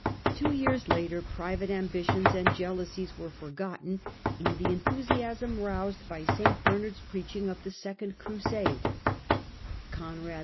Two years later, private ambitions and jealousies were forgotten in the enthusiasm roused by St Bernard's preaching of the Second Crusade (see Chap.